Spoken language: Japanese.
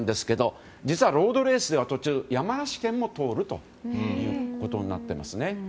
実はロードレースでは途中、山梨県も通るということになっています。